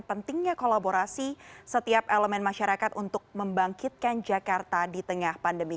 pentingnya kolaborasi setiap elemen masyarakat untuk membangkitkan jakarta di tengah pandemi